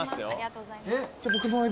じゃあ僕もえび。